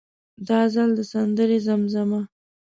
دا ځل د سندرې زمزمه.